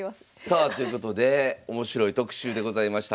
さあということで面白い特集でございました。